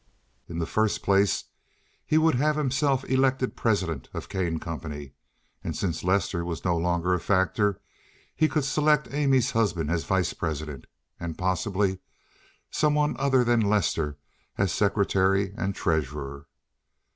In the first place he would have himself elected president of the Kane Company, and since Lester was no longer a factor, he could select Amy's husband as vice president, and possibly some one other than Lester as secretary and treasurer.